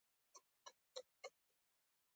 مسکین مه تحقیر کړه، الله ته عزیز وي.